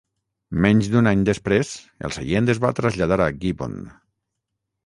Menys d'un any després, el seient es va traslladar a Gibbon.